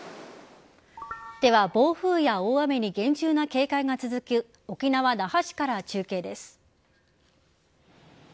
では、暴風や大雨に厳重な警戒が続く沖縄・那覇市から中継です。